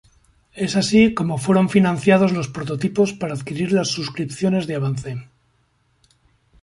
Es así como fueron financiados los prototipos para adquirir las suscripciones de avance.